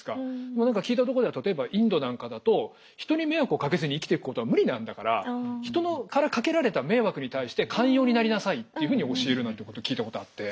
まあ何か聞いたところでは例えばインドなんかだと人に迷惑をかけずに生きていくことは無理なんだから人からかけられた迷惑に対して寛容になりなさいっていうふうに教えるなんてことを聞いたことあって。